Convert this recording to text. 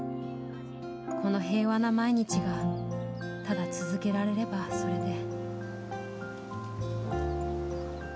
この平和な毎日がただ続けられれば、それで。